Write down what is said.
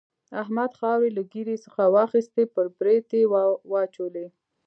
احمد خاورې له ږيرې څخه واخيستې پر برېت يې واچولې.